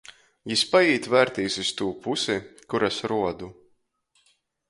Jis paīt vērtīs iz tū pusi, kur es ruodu.